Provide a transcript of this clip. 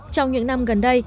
trong những năm gần đây